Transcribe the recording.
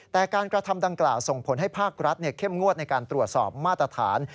แต่การกระทำดังกล่าวส่งผลให้ภาครัฐเข้มงวดในการตรวจสอบมาตรฐาน